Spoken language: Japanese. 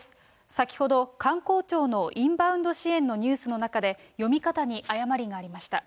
先ほど、観光庁のインバウンド支援のニュースで、読み方に誤りがありました。